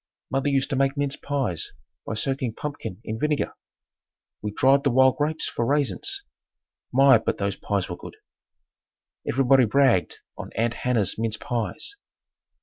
Mother used to make mince pies by soaking pumpkin in vinegar. We dried the wild grapes for raisins. My, but those pies were good. Everybody bragged on "Aunt Hannah's mince pies."